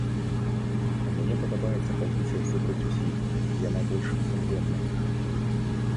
Мне падабаецца пазіцыя супраць усіх, яна больш сумленная.